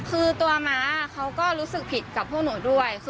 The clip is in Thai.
คือตัวม้าเขาก็รู้สึกผิดกับพวกหนูด้วย